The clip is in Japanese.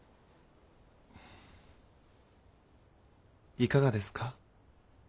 いかがですか。